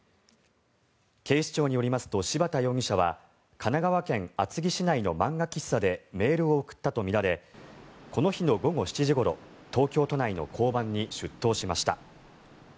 警視庁によりますと柴田容疑者は神奈川県厚木市内の漫画喫茶でメールを送ったとみられこの日の午後７時ごろ東京都内の交番に出頭しました。